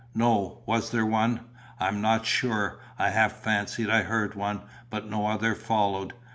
"No. Was there one?" "I'm not sure. I half fancied I heard one, but no other followed.